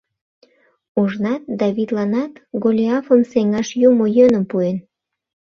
Ожнат Давидланат Голиафым сеҥаш юмо йӧным пуэн...